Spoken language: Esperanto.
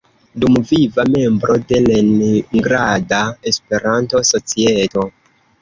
Dumviva membro de Leningrada Espertanto-Societo.